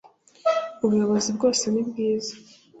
ubuyobozi bwose nibwiza.